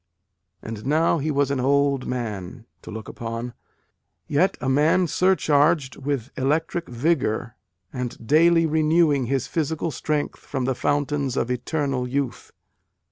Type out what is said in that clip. And now he was an old man, to look upon, yet a man surcharged with electric vigour and daily renewing his physical strength from the fountains of eternal youth.